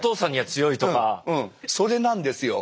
それなんですよ。